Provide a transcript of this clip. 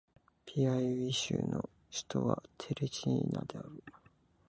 ピアウイ州の州都はテレジーナである